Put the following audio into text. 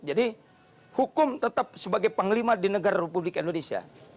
jadi hukum tetap sebagai penglima di negara republik indonesia